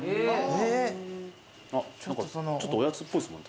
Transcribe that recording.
何かちょっとおやつっぽいっすもん